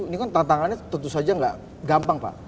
ini kan tantangannya tentu saja nggak gampang pak